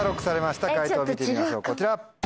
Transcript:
解答を見てみましょうこちら。